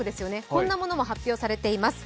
こんなものも発表されています。